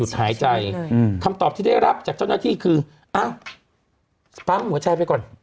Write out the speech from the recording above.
หายใจคำตอบที่ได้รับจากเจ้าหน้าที่คืออ้าวปั๊มหัวใจไปก่อน